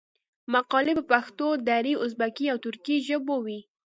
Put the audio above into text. مقالي په پښتو، دري، ازبکي او ترکي ژبو وې.